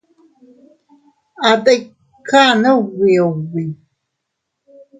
A tikan ubi ubi.